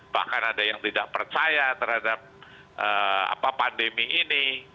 bahkan ada yang tidak percaya terhadap pandemi ini